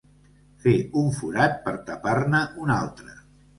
Fer un forat per tapar-ne un altre.